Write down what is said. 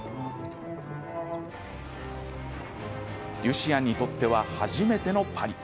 リュシアンにとっては初めてのパリ。